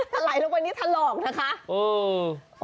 ถลัยลงไปถ้ารอกนะค๊า